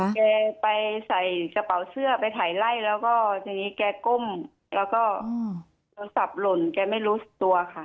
แกไปใส่กระเป๋าเสื้อไปถ่ายไล่แล้วก็ทีนี้แกก้มแล้วก็โทรศัพท์หล่นแกไม่รู้ตัวค่ะ